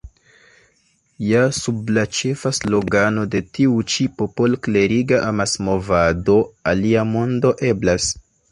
Ja sub la ĉefa slogano de tiu ĉi popolkleriga amasmovado Alia mondo eblas!